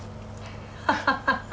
ハハハハ。